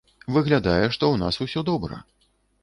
Выглядае, што ў нас усё добра.